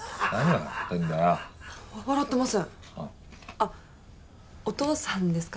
あっお父さんですか？